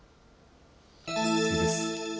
次です。